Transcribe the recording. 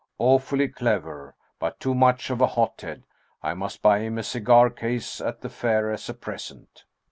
" Awfully clever ! But too much of a hothead. I must buy him a cigar case at the fair as a present."